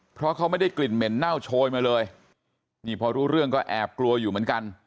เพราะเขาไม่ได้กลิ่นเหม็นเน่าโชยมาเลยนี่พอรู้เรื่องก็แอบกลัวอยู่เหมือนกัน